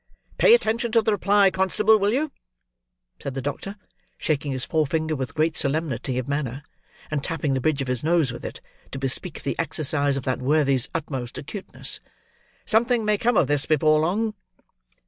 "Pay attention to the reply, constable, will you?" said the doctor, shaking his forefinger with great solemnity of manner, and tapping the bridge of his nose with it, to bespeak the exercise of that worthy's utmost acuteness. "Something may come of this before long."